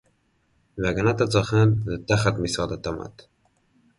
"והגנת הצרכן זה תחת משרד התמ"ת"